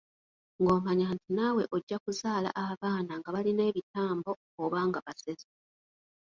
Ng’omanya nti naawe ojja kuzaala abaana nga balina ebitambo oba nga basezi.